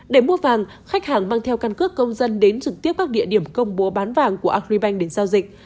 để mua vàng khách hàng mang theo căn cước công dân đến trực tiếp các địa điểm công bố bán vàng của agribank để giao dịch